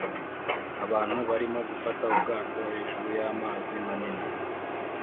Abantu barimo gufata ubwato hejuru y'amazi manini